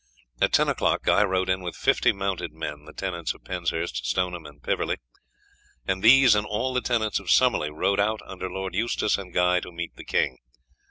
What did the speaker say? At ten o'clock Guy rode in with fifty mounted men, the tenants of Penshurst, Stoneham, and Piverley, and these and all the tenants of Summerley rode out under Lord Eustace and Guy to meet the king.